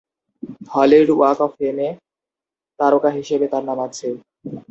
Hollywood walk of ফেম-এ তারকা হিসেবে তার নাম আছে।